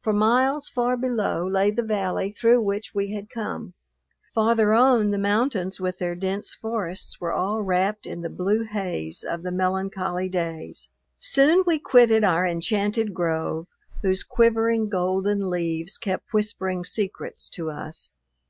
For miles far below lay the valley through which we had come. Farther on, the mountains with their dense forests were all wrapped in the blue haze of the melancholy days. Soon we quitted our enchanted grove whose quivering, golden leaves kept whispering secrets to us.